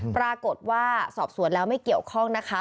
ปรากฏว่าสอบสวนแล้วไม่เกี่ยวข้องนะคะ